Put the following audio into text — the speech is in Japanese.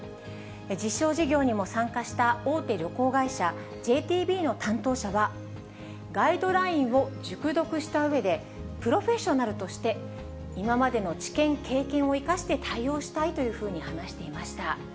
実証事業にも参加した大手旅行会社、ＪＴＢの担当者は、ガイドラインを熟読したうえで、プロフェッショナルとして、今までの知見・経験を生かして対応したいというふうに話していました。